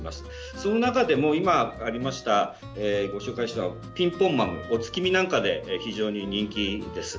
その中でも今ご紹介したピンポンマムはお月見なんかで非常に人気です。